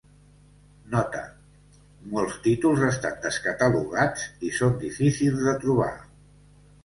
Nota: molts títols estan descatalogats i són difícils de trobar.